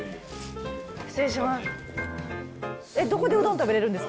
失礼します。